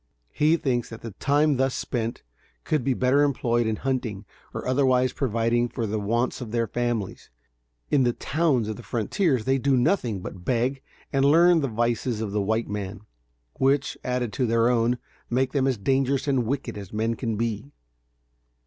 He thinks that the time thus spent could be better employed in hunting or otherwise providing for the wants of their families. In the towns of the frontiers they do nothing but beg and learn the vices of the white man, which, added to their own, make them as dangerous and wicked as men can be.